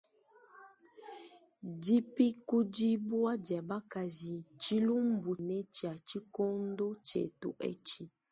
Dipikudibua dia bakaji ntshilumbu tshinene tshia tshikondo tshietu etshi.